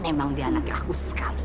emang dia anak rakus sekali